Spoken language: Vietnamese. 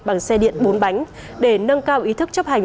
bằng xe điện bốn bánh để nâng cao ý thức chấp hành